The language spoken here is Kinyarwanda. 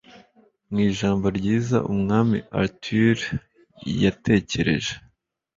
Mu ijambo ryiza Umwami Arthur yatekereje